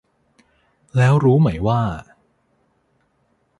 แล้วรู้ไหมว่า